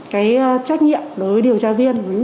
cái trách nhiệm đối với điều tra viên